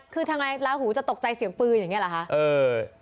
คือทางไหนระหูจะตกใจเสียงปืนอย่างเงี้ยละฮะ